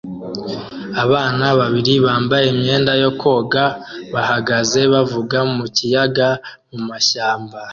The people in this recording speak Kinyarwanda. abana babiri bambaye imyenda yo koga bahagaze bavuga mukiyaga mumashyamba